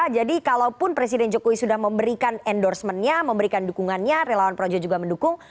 jadi kalaupun presiden jokowi sudah memberikan endorsement nya memberikan dukungannya relawan projo juga mendukung